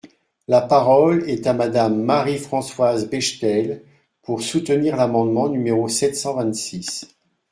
La parole est à Madame Marie-Françoise Bechtel, pour soutenir l’amendement numéro sept cent vingt-six.